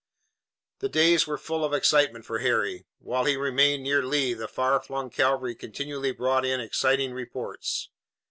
The days were full of excitement for Harry. While he remained near Lee, the far flung cavalry continually brought in exciting reports.